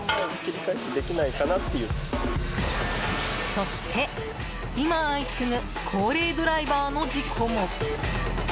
そして今、相次ぐ高齢ドライバーの事故も。